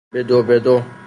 به دو به دو